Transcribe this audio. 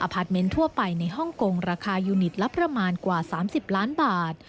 พาร์ทเมนต์ทั่วไปในฮ่องกงราคายูนิตละประมาณกว่า๓๐ล้านบาท